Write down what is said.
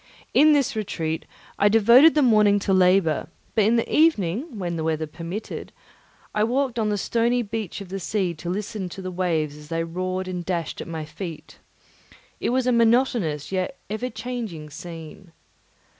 In this retreat I devoted the morning to labour; but in the evening, when the weather permitted, I walked on the stony beach of the sea to listen to the waves as they roared and dashed at my feet. It was a monotonous yet ever changing scene.